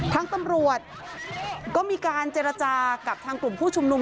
ทางตำรวจก็มีการเจรจากับทางกลุ่มผู้ชุมนุม